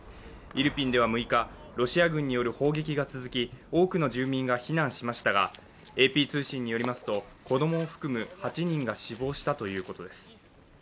イルピンでは６日、ロシア軍による砲撃が続き多くの住民が避難しましたがＡＰ通信によりますと子供を含む８人が死亡したということです。